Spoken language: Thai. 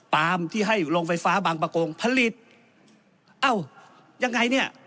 ที่ให้โรงไฟฟ้าบางประกงผลิตเอ้ายังไงเนี่ย